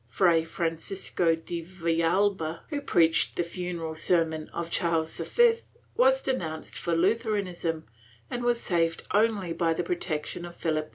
Fray Francisco de Villalba, who preached the funeral sermon of Charles V, was denounced for Lutheranism and was saved only by the protection of Philip 11.